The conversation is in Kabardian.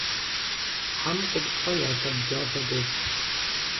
Хьэм къупщхьэ яхэбдза хуэдэщ.